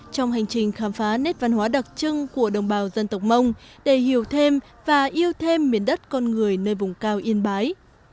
trong hành trình khám phá nét văn hóa đặc trưng của đồng bào dân tộc mông để hiểu thêm và yêu thêm miền đất con người nơi vùng cao yên bái